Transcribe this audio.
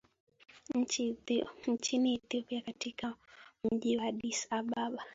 nchini ethiopia katika mji wa addis ababa